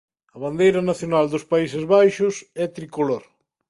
A bandeira nacional dos Países Baixos é tricolor.